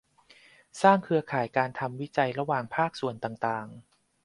สร้างเครือข่ายการทำวิจัยระหว่างภาคส่วนต่างต่าง